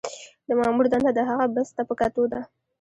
د مامور دنده د هغه بست ته په کتو ده.